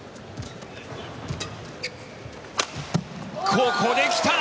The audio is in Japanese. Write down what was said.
ここで来た。